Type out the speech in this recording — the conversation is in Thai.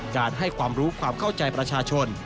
การให้ความรู้ความเข้าใจประชาชน